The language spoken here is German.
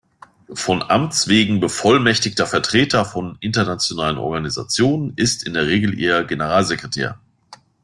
Von Amts wegen bevollmächtigter Vertreter von internationalen Organisationen ist in der Regel ihr Generalsekretär.